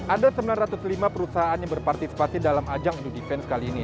ada sembilan ratus lima perusahaan yang berpartisipasi dalam ajang indo defense kali ini